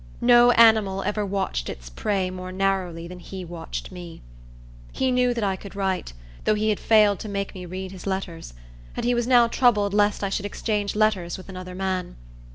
No animal ever watched its prey more narrowly than he watched me. He knew that I could write, though he had failed to make me read his letters; and he was now troubled lest I should exchange letters with another man.